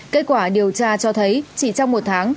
kết quả điều tra cho thấy chỉ trong một tháng